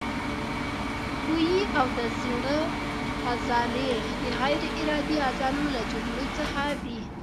ښویې او د زړه عضلې د غیر ارادي عضلو له جملو څخه دي.